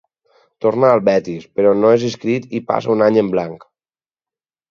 Torna al Betis, però no és inscrit i passa un any en blanc.